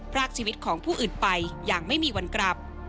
รากชีวิตของผู้อื่นไปอย่างไม่มีวันกลับ